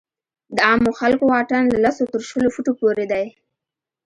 د عامو خلکو واټن له لسو تر شلو فوټو پورې دی.